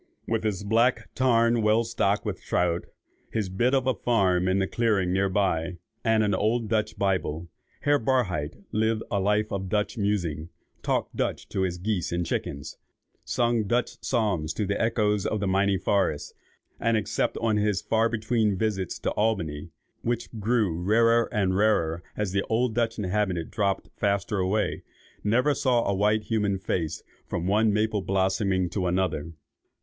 With his black tarn well stocked with trout, his bit of a farm in the clearing near by, and an old Dutch Bible, Herr Barhydt lived a life of Dutch musing, talked Dutch to his geese and chickens, sung Dutch psalms to the echoes of the mighty forest, and, except on his far between visits to Albany, which grew rarer and rarer as the old Dutch inhabitants dropped faster away, saw never a white human face from one maple blossoming to another.